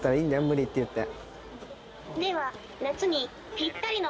無理って言って。